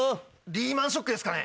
リーマン・ショックですかね？